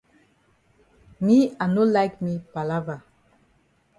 Me I no like me palava.